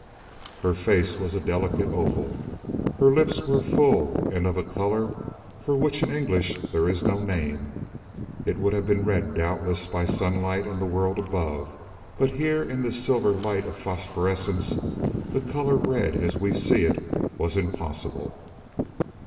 Her face was a delicate oval. Her lips were full and of a color for which in English there is no name. It would have been red doubtless by sunlight in the world above, but here in this silver light of phosphorescence, the color red, as we see it, was impossible.